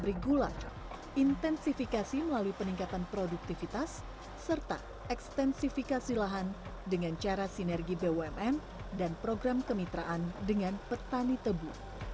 regulator intensifikasi melalui peningkatan produktivitas serta ekstensifikasi lahan dengan cara sinergi bumn dan program kemitraan dengan petani tebu